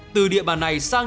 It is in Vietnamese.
từ địa bàn này sang